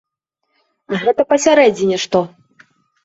А гэта пасярэдзіне што?